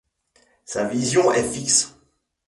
Sa vision est fixe.